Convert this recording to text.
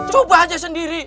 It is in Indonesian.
coba aja sendiri